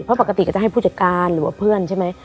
เพราะปกติก็จะให้ผู้จัดการหรือว่าเพื่อนใช่ไหม